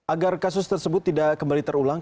agar kasus tersebut tidak kembali terulang